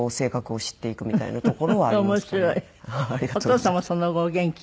お父様はその後お元気？